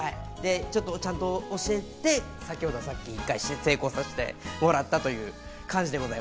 ちゃんと教えて、先ほど１回成功してもらったという感じです。